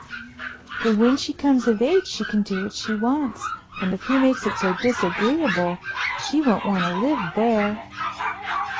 "But when she comes of age she can do what she wants and if he makes it so disagreeable she won't want to live there."